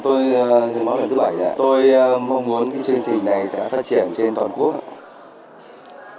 tôi là người máu lần thứ bảy rồi ạ tôi mong muốn cái chương trình này sẽ phát triển trên toàn quốc